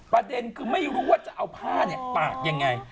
ประเด็นคือไม่รู้ว่าจะเอาผ้าปากยังไง